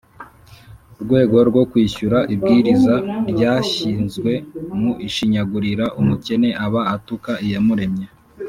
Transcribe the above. Rwego rwo kwishyura ibwiriza ryashyizwe mu ushinyagurira umukene aba atuka iyamuremye